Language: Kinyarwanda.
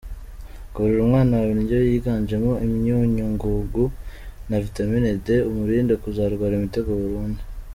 Gaburira umwana wawe indyo yiganjemo imyunyungugu na vitamine D, umurinde kuzarwara imitego burundu.